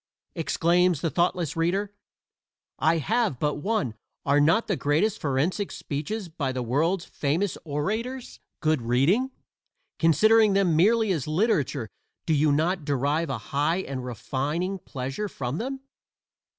exclaims the thoughtless reader I have but one "are not the great forensic speeches by the world's famous orators good reading? Considering them merely as literature do you not derive a high and refining pleasure from them?"